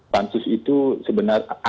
pansus itu sebenarnya